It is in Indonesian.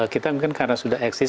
kita mungkin karena sudah eksis